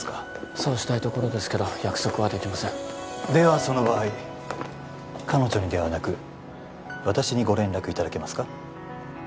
そうしたいところですけど約束はできませんではその場合彼女にではなく私にご連絡いただけますか？